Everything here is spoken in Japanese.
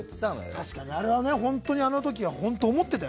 確かに、あれは本当にあの時は思ってたよ。